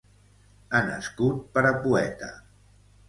Ha nascut per a poeta.